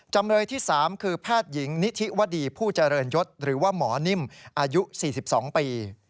จำเลยที่๓คือแพทย์หญิงนิธิวดีผู้เจริญยศหรือว่าหมอนิ่มอายุ๔๒ปี